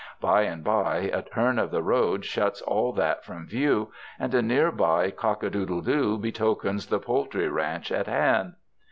By and by a turn in the road shuts all that from view, and a nearby cock a doodle doo betokens the poultry ranch at hand.